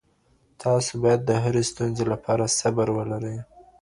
تاسو باید د هرې ستونزي لپاره صبر ولرئ.